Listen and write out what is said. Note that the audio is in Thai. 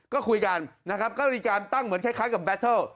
ก็คุยกันนะครับก็มีการตั้งเหมือนคล้ายกับแบตเทิล